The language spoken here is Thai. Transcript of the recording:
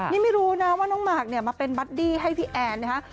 นี่ไม่รู้นะว่าน้องหมากเนี่ยมาเป็นบัดดี้ให้พี่แอนนะฮะ